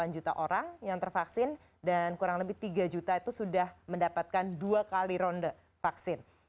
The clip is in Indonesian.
delapan juta orang yang tervaksin dan kurang lebih tiga juta itu sudah mendapatkan dua kali ronde vaksin